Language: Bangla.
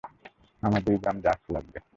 আমার দুই গ্রাম ড্রাগস লাগবে।